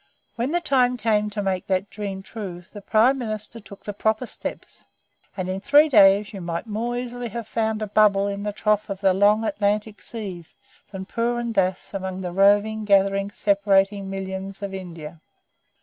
When the time came to make that dream true the Prime Minister took the proper steps, and in three days you might more easily have found a bubble in the trough of the long Atlantic seas, than Purun Dass among the roving, gathering, separating millions of India.